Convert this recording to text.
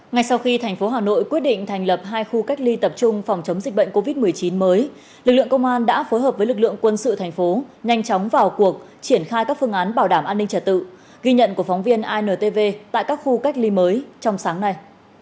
ngay sau khi thành phố hà nội quyết định thành lập hai khu cách ly tập trung phòng chống dịch bệnh covid một mươi chín mới lực lượng công an đã phối hợp với lực lượng quân sự thành phố nhanh chóng vào cuộc triển khai các phương án bảo đảm an ninh trật tự ghi nhận của phóng viên intv tại các khu cách ly mới trong sáng nay